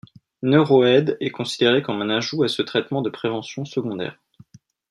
Neuroaid est considéré comme un ajout à ce traitement de prévention secondaire.